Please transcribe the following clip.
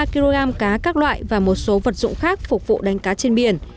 hai mươi ba kg cá các loại và một số vật dụng khác phục vụ đánh cá trên biển